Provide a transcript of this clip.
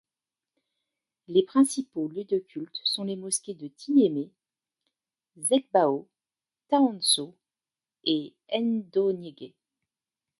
Les principaux lieux de culte sont les mosquées de Tiémé, Zégbao, Tahanso et N'doniégué.